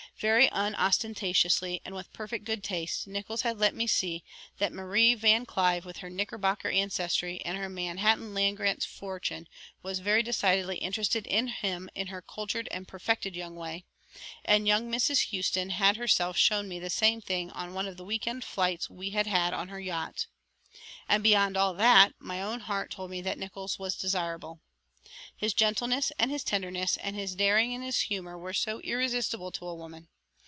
Very unostentatiously and with perfect good taste Nickols had let me see that Marie VanClive with her Knickerbocker ancestry and her Manhattan land grants fortune was very decidedly interested in him in her cultured and perfected young way, and young Mrs. Houston had herself shown me the same thing on one of the week end flights we had had on her yacht. And beyond all that my own heart told me that Nickols was desirable. His gentleness and his tenderness and his daring and his humor were irresistible to a woman.